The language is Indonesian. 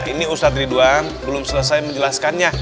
ini ustadz ridwan belum selesai menjelaskannya